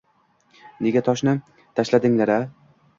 Nega toshni tashladinglar a?